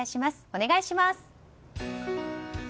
お願いします。